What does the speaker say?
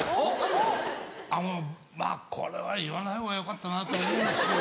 あのまぁこれは言わないほうがよかったなと思うんですけど。